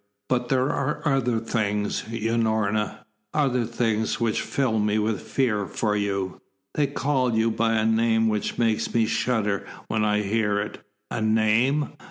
But there are other things, Unorna other things which fill me with fear for you. They call you by a name that makes me shudder when I hear it." "A name?"